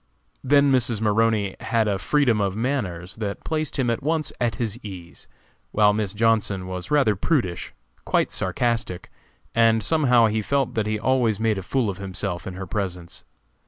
Then Mrs. Maroney had a freedom of manners that placed him at once at his ease, while Miss Johnson was rather prudish, quite sarcastic, and somehow he felt that he always made a fool of himself in her presence.